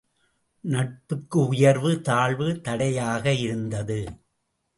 நட்புக்கு உயர்வு தாழ்வு தடையாக இருந்தது.